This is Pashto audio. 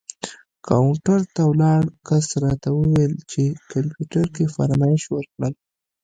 کاونټر ته ولاړ کس راته وویل چې کمپیوټر کې فرمایش ورکړم.